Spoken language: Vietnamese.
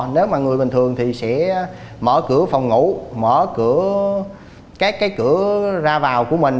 nếu mà người bình thường thì sẽ mở cửa phòng ngủ mở cửa các cái cửa ra vào của mình